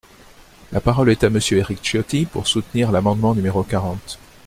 La parole est à Monsieur Éric Ciotti, pour soutenir l’amendement numéro quarante.